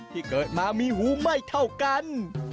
ที่เกิดมามีหูไม่เท่ากัน